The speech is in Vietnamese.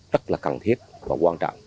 rất là cần thiết và quan trọng